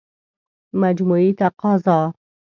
مجموعي تقاضا